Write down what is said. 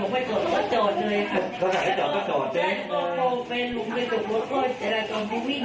เพื่อนพี่ใจใจว่าจับลูกโฟฟต์จาระพี่วิ่งอะ